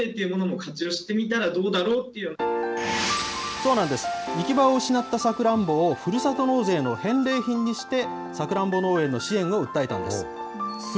そうなんです、行き場を失ったサクランボをふるさと納税の返礼品にして、サクランボ農園の支援を訴えたんです。